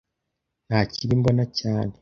Nta kibi mbona cyane